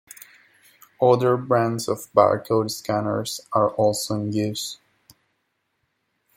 Other brands of barcode scanners are also in use.